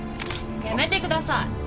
やめてください！